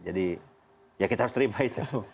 jadi ya kita harus terima itu loh